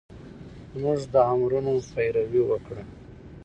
زمونږ د امرونو پېروي وکړه